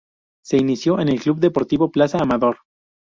Se inició en el Club Deportivo Plaza Amador.